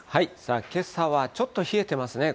けさはちょっと冷えてますね。